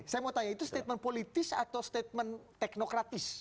saya mau tanya itu statement politis atau statement teknokratis